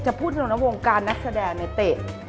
จะพูดถึงวงการนักแสดงเนี่ยเตะ